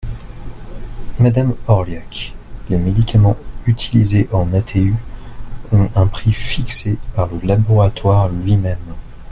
Madame Orliac, les médicaments utilisés en ATU ont un prix fixé par le laboratoire lui-même.